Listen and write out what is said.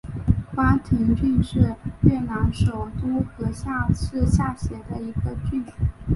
巴亭郡是越南首都河内市下辖的一个郡。